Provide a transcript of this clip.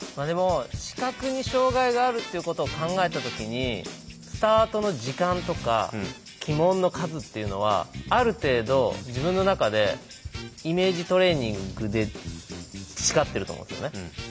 でも視覚に障害があるっていうことを考えた時にスタートの時間とか旗門の数っていうのはある程度自分の中でイメージトレーニングで培ってると思うんですよね。